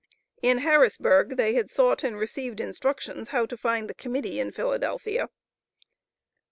In Harrisburg, they had sought and received instructions how to find the Committee in Philadelphia.